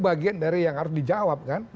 bagian dari yang harus dijawab kan